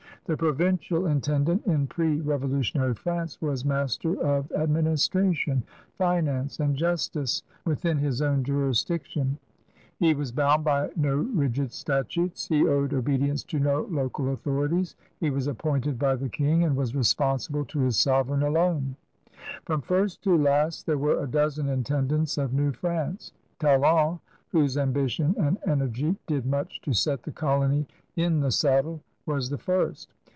The provincial intendant in pre revo lutionary France was master of administration, finance, and justice within his own jurisdiction; he 68 CRUSADERS OF NEW FRANC3E was bound by no rigid statutes; he owed obedience to no local authorities; he was appointed by the King and was responsible to his sovereign alone. From first to last there were a dozen intendants of New France. Talon, whose ambition and energy did much to set the colony in the saddle, was the first.